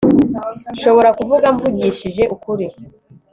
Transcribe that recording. Nshobora kuvuga mvugishije ukuri